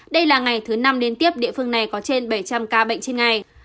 đây là ngày thứ năm liên tiếp địa phương này có trên bảy trăm linh ca bệnh trên ngày